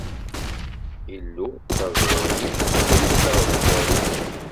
Illu, d aẓru-iw, d netta i ttdariɣ.